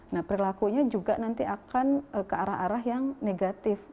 nah perilakunya juga nanti akan ke arah arah yang negatif